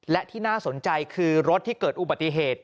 และที่น่าสนใจคือรถที่เกิดอุบัติเหตุ